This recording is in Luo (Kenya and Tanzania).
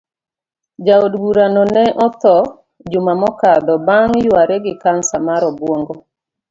Jaod burano ne otho juma mokadho bang yuare gi cancer mar obuongo.